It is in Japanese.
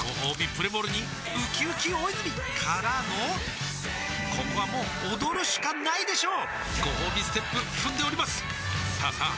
プレモルにうきうき大泉からのここはもう踊るしかないでしょうごほうびステップ踏んでおりますさあさあ